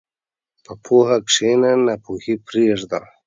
په پوهه کښېنه، ناپوهي پرېږده.